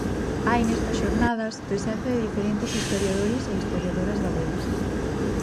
Hai nestas xornadas presenza de diferentes historiadores e historiadoras galegas.